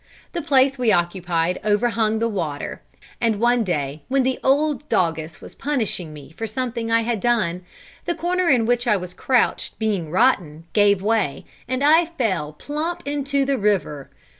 The place we occupied overhung the water, and one day when the old doggess was punishing me for something I had done, the corner in which I was crouched being rotten, gave way, and I fell plump into the river.